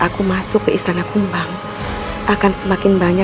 kau tidak akan terjadi ibu unda